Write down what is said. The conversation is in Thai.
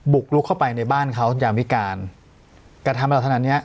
บุกลุกเข้าไปในบ้านเขาสมยาววิการการทำลักษณะนี้